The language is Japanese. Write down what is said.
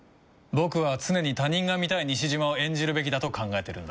僕は常に他人が見たい西島を演じるべきだと考えてるんだ。